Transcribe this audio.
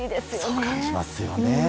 そう感じますよね。